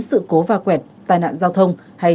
sự cố va quẹt tai nạn giao thông hay